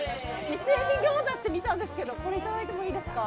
伊勢海老餃子って見たんですけどいただいてもいいですか。